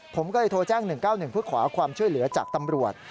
ผมก็เลยโทรแจ้ง๑๙๑เพื่อขอความช่วยเหลือจากตำรวจ